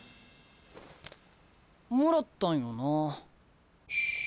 もらったんよなあ。